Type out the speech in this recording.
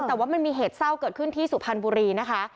แต่ว่ามันมีเหตุเศร้าเกิดขึ้นที่สุพรรณบุรีนะคะ